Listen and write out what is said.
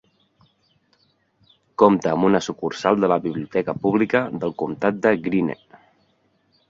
Compta amb una sucursal de la biblioteca pública del comtat de Greene.